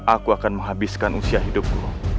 aku akan menghabiskan usia hidupku